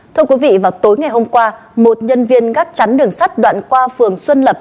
thưa quý vị vào tối ngày hôm qua một nhân viên gác chắn đường sắt đoạn qua phường xuân lập